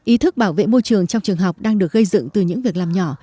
ý thức bảo vệ môi trường trong trường học đang được gây dựng từ những việc làm nhỏ